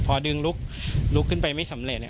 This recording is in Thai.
พอดึงลุกขึ้นไปไม่สำเร็จ